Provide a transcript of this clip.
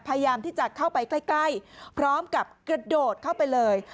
พยายามที่จะเข้าไปใกล้พร้อมกับกระโดดเข้าไปเลย